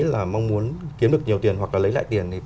là mong muốn kiếm được nhiều tiền hoặc là lấy lại tiền